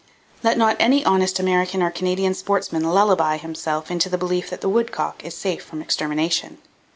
Let not any honest American or Canadian sportsman lullaby himself into the belief that the woodcock is safe from extermination.